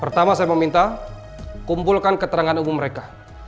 pertama saya meminta kumpulkan keterangan umum mereka